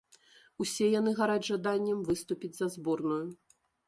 Усе яны гараць жаданнем выступіць за зборную.